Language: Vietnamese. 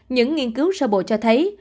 những nghiên cứu sơ bộ cho thấy